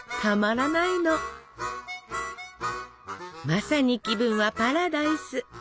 まさに気分はパラダイス！